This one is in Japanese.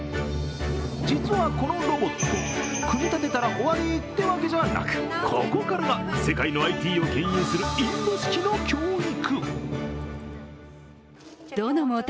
実はこのロボット、組み立てたら終わりというわけじゃなくここからが世界のＩＴをけん引するインド式の教育。